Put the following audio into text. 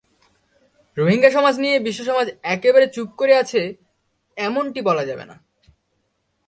রোহিঙ্গা সমস্যা নিয়ে বিশ্বসমাজ একেবারে চুপ করে আছে, এমনটি বলা যাবে না।